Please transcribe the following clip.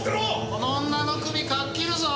この女の首掻っ切るぞ！